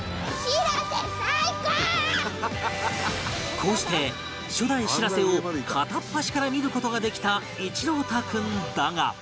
こうして初代しらせを片っ端から見る事ができた一朗太君だが